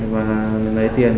và lấy tiền